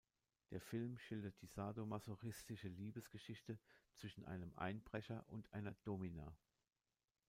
Der Film schildert die sadomasochistische Liebesgeschichte zwischen einem Einbrecher und einer Domina.